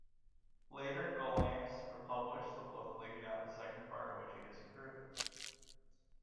Later Gollancz republished the book leaving out the second part of which he disapproved.